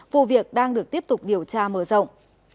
vụ việc đang được tiếp tục điều tra mở rộng